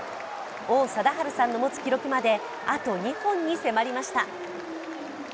王貞治さんの持つ記録まであと２本に迫りました。